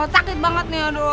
sakit banget nih aduh